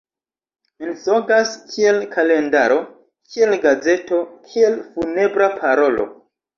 Mensogas kiel kalendaro; kiel gazeto; kiel funebra parolo.